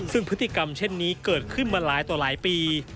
ซึ่งพฤติกรรมเช่นนี้เกิดขึ้นมาหลายต่อหลายปี